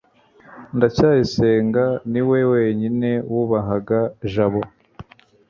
ndacyayisenga niwe wenyine wubahaga jabo